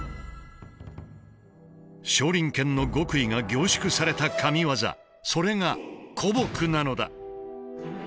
少林拳の極意が凝縮された神業それが「虎撲」なのだ。